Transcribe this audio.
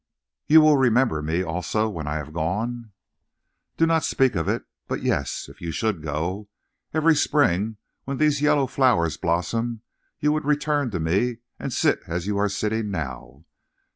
"You will remember me, also, when I have gone?" "Do not speak of it! But yes, if you should go, every spring, when these yellow flowers blossom, you would return to me and sit as you are sitting now.